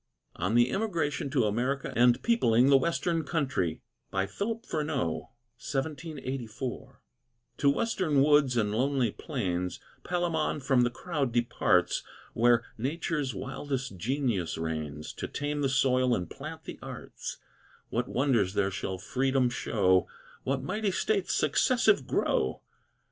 ON THE EMIGRATION TO AMERICA AND PEOPLING THE WESTERN COUNTRY To western woods and lonely plains, Palemon from the crowd departs, Where Nature's wildest genius reigns, To tame the soil, and plant the arts What wonders there shall freedom show, What mighty states successive grow!